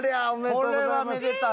これはめでたい！